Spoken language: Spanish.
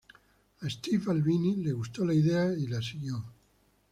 A Steve Albini le gustó la idea y la siguió.